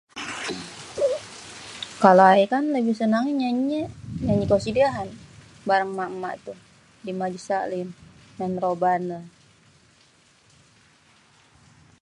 kalo ayé kan lebih sênêngnyê nyanyi nyê, nyanyi kosidahan, bareng èmak-èmak itu, di masjid ta'lim, maen robanê.